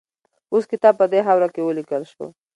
اوستا کتاب په دې خاوره کې ولیکل شو